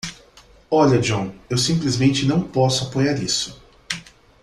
Olha John, eu simplesmente não posso apoiar isso.